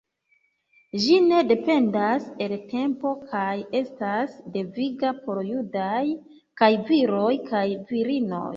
Ĝi ne dependas el tempo kaj estas deviga por judaj kaj viroj kaj virinoj.